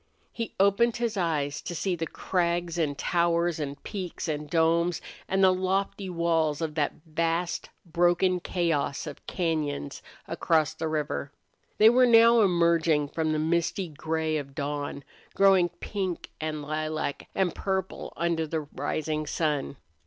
He opened his eyes to see the crags and towers and peaks and domes, and the lofty walls of that vast, broken chaos of cañons across the river. They were now emerging from the misty gray of dawn, growing pink and lilac and purple under the rising sun.